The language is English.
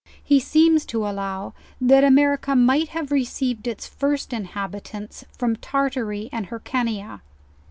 He seems to allow that America might have received its first inhabitants, from Tartary and Hyrcania.